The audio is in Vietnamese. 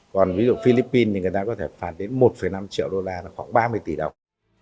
còn ví dụ philippines thì người ta có thể phạt đến một năm triệu đô la là khoảng ba mươi tỷ đồng